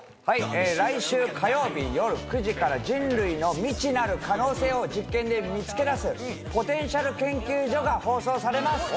来週火曜日夜９時から人類の未知なる可能性を実験で見つけ出す『ポテンシャル研究所』が放送されます。